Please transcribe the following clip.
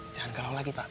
jangan kalau lagi pak